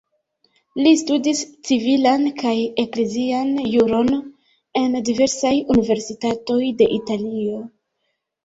Li studis civilan kaj eklezian juron en diversaj universitatoj de Italio.